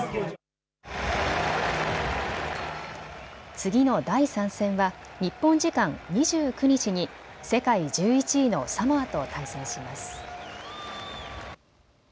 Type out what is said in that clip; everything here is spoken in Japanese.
次の第３戦は日本時間２９日に世界１１位のサモアと対戦します。